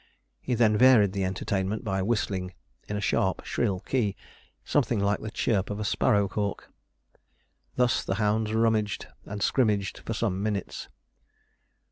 He then varied the entertainment by whistling, in a sharp, shrill key, something like the chirp of a sparrow hawk. Thus the hounds rummaged and scrimmaged for some minutes.